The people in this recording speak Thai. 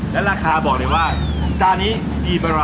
แล้วราคาบอกเลยว่าจานี้กี่บาทครับ